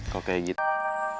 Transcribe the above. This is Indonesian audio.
kau kayak gitu